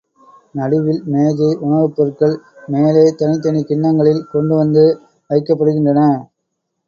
நடுவில் மேஜை உணவுப் பொருள்கள் மேலே தனித்தனிக் கிண்ணங்களில் கொண்டு வந்து வைக்கப்படுகின்றன.